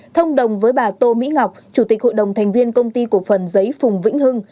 thông đồng với bà tô mỹ ngọc chủ tịch hội đồng thành viên công ty cổ phần giấy phùng vĩnh hưng